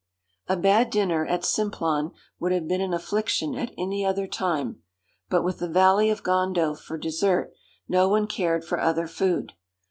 A bad dinner at Simplon would have been an affliction at any other time; but with the Valley of Gondo for dessert, no one cared for other food.